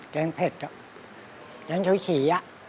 แกงเพ็ดกแกงชุบหรือเฉีย